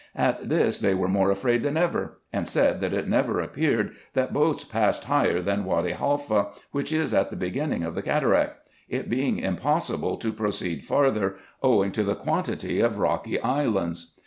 At this, they were more afraid than ever ; and said, that it never appeared, that boats passed higher than Wady Haifa, which is at the beginning of the cataract ; it being impossible to proceed farther, owing to the quantity of rocky islands.